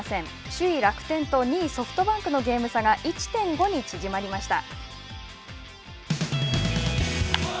首位楽天と２位ソフトバンクのゲーム差が１．５に縮まりました。